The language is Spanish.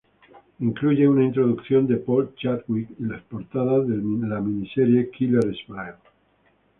Incluye una introducción de Paul Chadwick y las portadas de la miniserie Killer Smile.